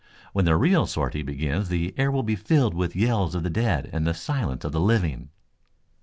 When the real sortie begins the air will be filled with the yells of the dead and the silence of the living."